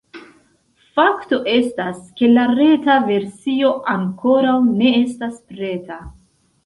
Fakto estas, ke la reta versio ankoraŭ ne estas preta.